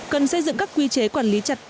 cần xây dựng các quy chế quản lý chặt